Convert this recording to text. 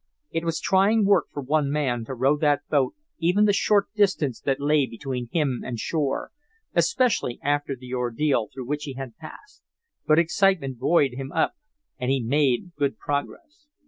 It was trying work for one man to row that boat even the short distance that lay between him and shore especially after the ordeal through which he had passed. But excitement buoyed him up and he made good progress.